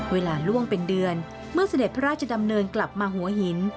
เวลาล่วงเป็นเดือนเมื่อเสด็จพระราชดำเนินกลับมาหัวหิน